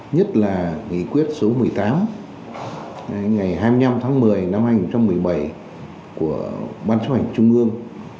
nhất là nghị quyết số một mươi tám ngày hai mươi năm tháng một mươi năm hai nghìn một mươi bảy của ban chấp hành trung ương